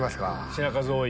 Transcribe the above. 品数多い。